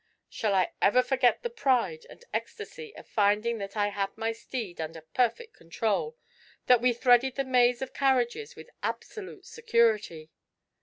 Shall I ever forget the pride and ecstasy of finding that I had my steed under perfect control, that we threaded the maze of carriages with absolute security?